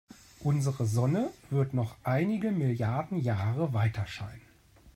Unsere Sonne wird noch einige Milliarden Jahre weiterscheinen.